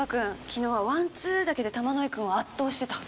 昨日はワンツーだけで玉乃井くんを圧倒してた。